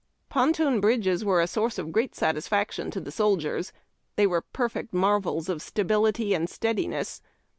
Ponton bridges were a source of great satisfaction to the soldiers. The}^ were perfect marvels of stability and steadi ness.